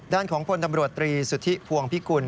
ด้านของพลตำรวจตรีสุธิพวงพิกุล